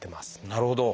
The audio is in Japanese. なるほど。